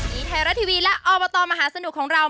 อีเทราทีวีและออปโตรมหาสนุกของเรา